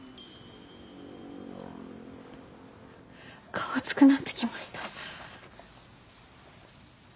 顔熱くなってきました。